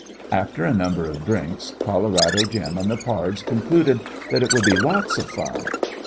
After a number of drinks, Colorado Jim and the pards concluded that it would be lots of fun!